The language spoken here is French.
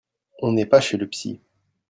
On n’est pas chez le psy